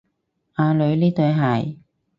阿女，呢對鞋